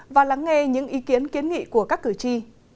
và lắng nghe những ý kiến kiến nghị của các cử tri